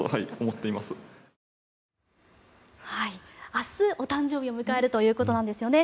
明日、お誕生日を迎えるということなんですね。